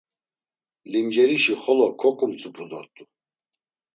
Limcerişi xolo koǩumtzupu dort̆u.